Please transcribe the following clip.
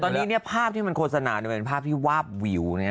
แต่ตอนนี้เนี่ยภาพที่มันโฆษณาดูแลเป็นภาพที่วาบวิวเนี่ย